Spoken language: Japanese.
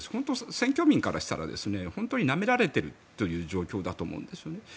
選挙民からしたら本当になめられている状況だと思うんですよね。